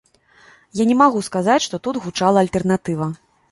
Я не магу сказаць, што тут гучала альтэрнатыва.